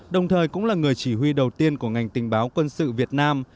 đồng thời cũng là người chỉ huy đầu tiên của ngành tình báo quân sự việt nam